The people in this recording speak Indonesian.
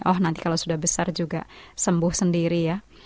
oh nanti kalau sudah besar juga sembuh sendiri ya